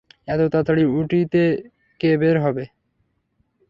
এত তাড়াতাড়ি উটিতে কে বের হবে?